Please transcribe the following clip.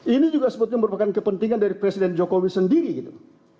ini juga sebetulnya merupakan kepentingan dari presiden jokowi sendiri gitu